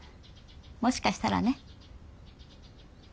もしかしたらね。